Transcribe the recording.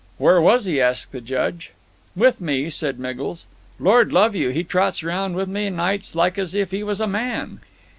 "Where was he?" asked the Judge. "With me," said Miggles. "Lord love you; he trots round with me nights like as if he was a man."